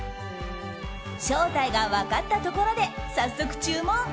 正体が分かったところで早速、注文。